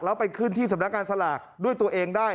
แล้วไปขึ้นที่สำนักงานสลากด้วยตัวเองได้